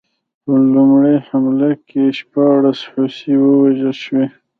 په لومړۍ حمله کې شپاړس هوسۍ ووژل شوې.